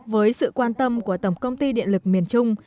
với sự quan tâm của tổng công ty điện lực miền trung